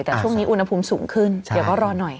แต่ช่วงนี้อุณหภูมิสูงขึ้นเดี๋ยวก็รอหน่อย